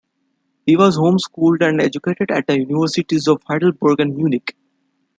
He was homeschooled and educated at the Universities of Heidelberg and Munich.